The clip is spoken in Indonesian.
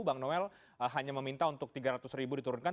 bang noel hanya meminta untuk rp tiga ratus diturunkan